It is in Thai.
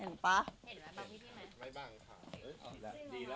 เออเอออะ